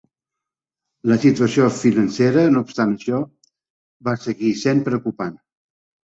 La situació financera, no obstant això, va seguir sent preocupant.